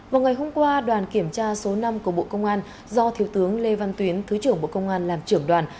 vào ngày hôm qua đoàn kiểm tra số năm của bộ công an do thiếu tướng lê văn tuyến thứ trưởng bộ công an làm trưởng đoàn